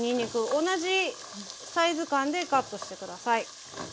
同じサイズ感でカットして下さい。